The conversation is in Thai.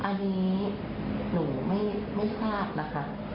อันนี้หนูไม่ทราบนะคะ